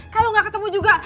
kalau gak ketemu juga